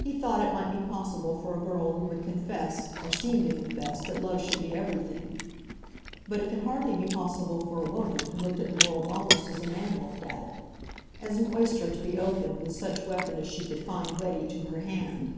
He thought it might be possible for a girl who would confess, or seem to confess, that love should be everything. But it could hardly be possible for a woman who looked at the world almost as a man looked at it, as an oyster to be opened with such weapon as she could find ready to her hand.